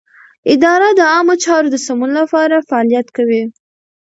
اداره د عامه چارو د سمون لپاره فعالیت کوي.